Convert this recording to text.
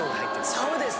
そうです！